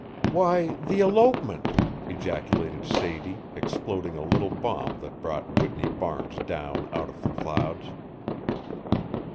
"Why, the elopement!" ejaculated Sadie, exploding a little bomb that brought Whitney Barnes down out of the clouds.